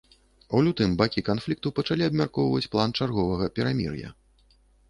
У лютым бакі канфлікту пачалі абмяркоўваць план чарговага перамір'я.